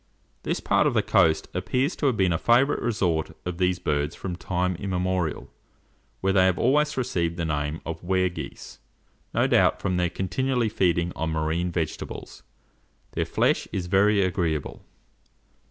This part of the coast appears to have been a favourite resort of these birds from time immemorial, where they have always received the name of Ware geese, no doubt from their continually feeding on marine vegetables. Their flesh is very agreeable.